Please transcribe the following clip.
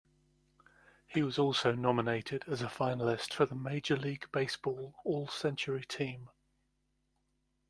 He was also nominated as a finalist for the Major League Baseball All-Century Team.